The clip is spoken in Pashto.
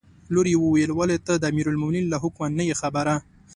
لور یې وویل: ولې ته د امیرالمؤمنین له حکمه نه یې خبره.